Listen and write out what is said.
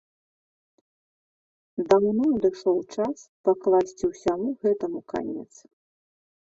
Даўно надышоў час пакласці ўсяму гэтаму канец.